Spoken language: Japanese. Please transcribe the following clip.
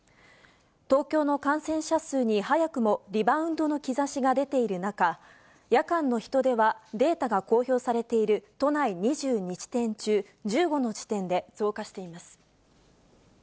東京の感染者数に早くもリバウンドの兆しが出ている中、夜間の人出はデータが公表されている都内２２地点中、１５の地点で増加しています。